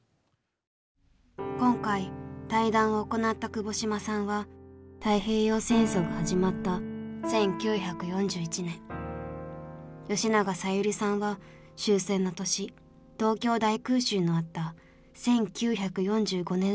今回対談を行った窪島さんは太平洋戦争が始まった１９４１年吉永小百合さんは終戦の年東京大空襲のあった１９４５年生まれです。